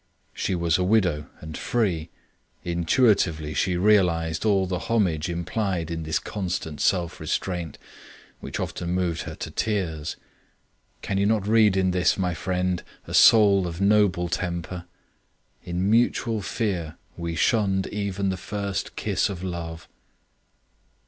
She was a widow and free; intuitively, she realized all the homage implied in this constant self restraint, which often moved her to tears. Can you not read in this, my friend, a soul of noble temper? In mutual fear we shunned even the first kiss of love.